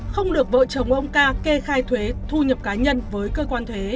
không được vợ chồng ông ca kê khai thuế thu nhập cá nhân với cơ quan thuế